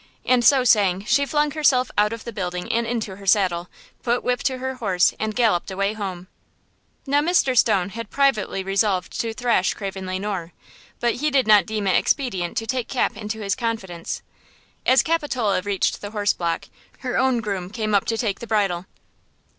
And so saying, she flung herself out of the building and into her saddle, put whip to her horse and galloped away home. Now, Mr. Stone had privately resolved to thrash Craven Le Noir; but he did not deem it expedient to take Cap into his confidence. As Capitola reached the horse block, her own groom came up to take the bridle.